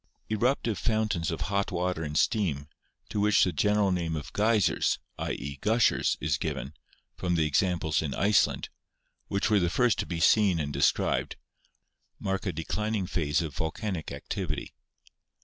Eruptive fountains of hot water and steam, to which the general name of Geysers — i.e., gushers — is given, from the examples in Iceland, which were the first to be seen and described, mark a declining phase of volcanic activity.